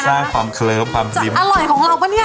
จะอร่อยของเราป่ะเนี่ย